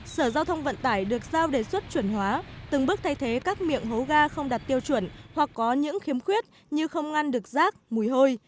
sở giao thông vận tải được giao đề xuất chuẩn hóa từng bước thay thế các miệng hố ga không đạt tiêu chuẩn hoặc có những khiếm khuyết như không ngăn được rác mùi hôi